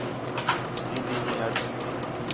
چیندی ہیں اَچ